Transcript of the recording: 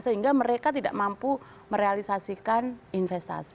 sehingga mereka tidak mampu merealisasikan investasi